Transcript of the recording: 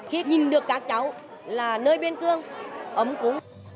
khi nhìn được các cháu là nơi biên cương ấm cú